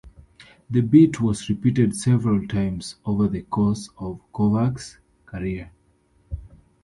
The bit was repeated several times over the course of Kovacs' career.